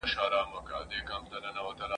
په دغو مرکزونو کي ئې په زرګونو کسان وروزل.